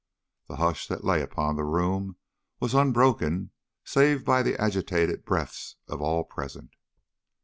The hush that lay upon the room was unbroken save by the agitated breaths of all present.